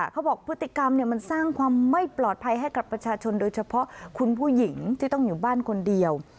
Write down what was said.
เขาบอกพฤติกรรมมันสร้างความไม่ปลอดภัยให้กับประชาชนโดยเฉพาะคุณผู้หญิงที่ต้องอยู่บ้านคนเดียว